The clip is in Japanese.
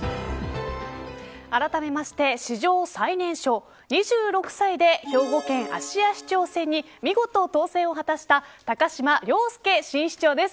あらためまして、史上最年少２６歳で兵庫県芦屋市長選に見事、当選を果たした高島崚輔新市長です。